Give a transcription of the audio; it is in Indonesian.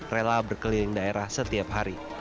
rela berkeliling daerah setiap hari